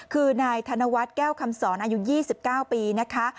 คือนายธนวัฒน์แก้วคำสอนอายุยี่สิบเก้าปีนะคะ